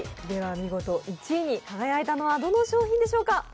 見事１位に輝いたのはどの商品でしょうか。